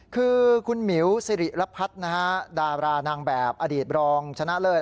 คือคุณหมิวสิริรพัฒน์นะฮะดารานางแบบอดีตรองชนะเลิศ